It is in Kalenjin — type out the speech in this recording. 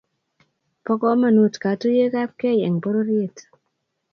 po komonut katuiyetabkei eng pororyet